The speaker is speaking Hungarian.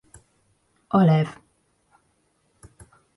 A Lev!